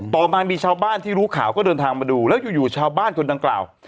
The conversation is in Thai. ต่อมามีชาวบ้านที่รู้ข่าวก็เดินทางมาดูแล้วอยู่ชาวบ้านคนดังกล่าว